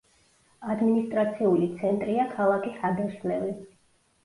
ადმინისტრაციული ცენტრია ქალაქი ჰადერსლევი.